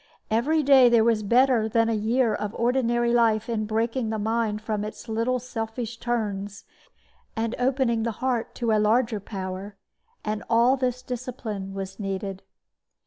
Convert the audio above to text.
Every day there was better than a year of ordinary life in breaking the mind from its little selfish turns, and opening the heart to a larger power. And all this discipline was needed.